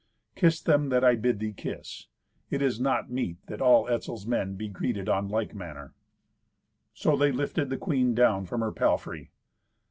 Kiss them that I bid thee kiss. It is not meet that all Etzel's men be greeted on like manner." So they lifted the queen down from her palfrey.